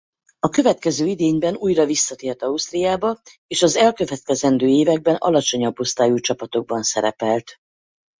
A következő idényben újra visszatért Ausztriába és az elkövetkezendő években alacsonyabb osztályú csapatokban szerepelt.